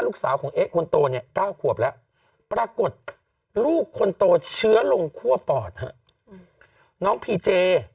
ลูกสาวของเอ๊ะคนโตเนี่ย๙ขวบแล้วปรากฏลูกคนโตเชื้อลงคั่วปอดฮะน้องพีเจ